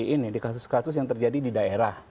ini di kasus kasus yang terjadi di daerah